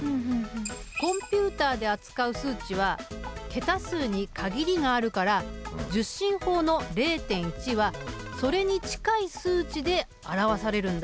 コンピュータで扱う数値は桁数に限りがあるから１０進法の０．１はそれに近い数値で表されるんだ。